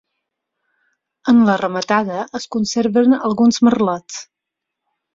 En la rematada es conserven alguns merlets.